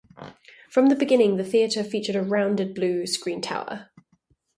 From the beginning, the theater featured a rounded blue screentower.